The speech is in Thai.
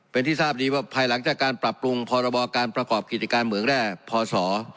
เป็นที่ทราบดีว่าภายหลังจากการปรับปรุงพรบการประกอบกิจการเหมืองแร่พศ